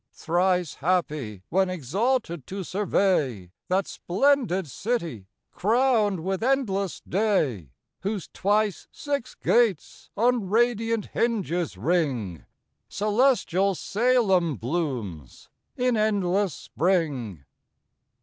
Thrice happy, when exalted to survey That splendid city, crown'd with endless day, Whose twice six gates on radiant hinges ring: Celestial Salem blooms in endless spring.